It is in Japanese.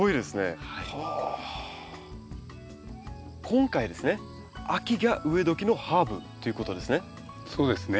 今回ですね秋が植えどきのハーブということですね。